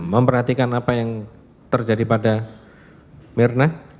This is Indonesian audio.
memperhatikan apa yang terjadi pada mirna